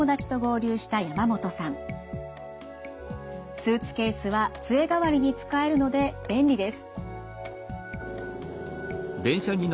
スーツケースは杖代わりに使えるので便利です。